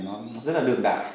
nó rất là đường đại